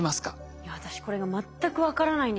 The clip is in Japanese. いや私これが全く分からないんですよ。